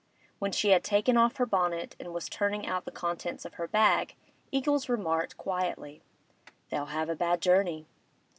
When she had taken off her bonnet and was turning out the contents of her bag, Eagles remarked quietly: 'They'll have a bad journey.